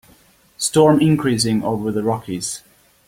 Storm increasing over the Rockies.